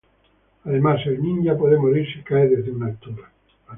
Además, el ninja puede morir si cae desde una altura.